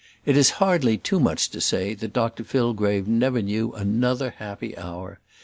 It is hardly too much to say that Dr Fillgrave never knew another happy hour.